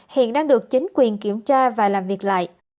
hiện đang được chính quyền kiểm tra và làm việc lại